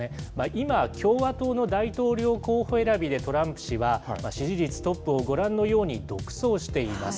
今、共和党の大統領候補選びでトランプ氏は、支持率トップをご覧のように独走しています。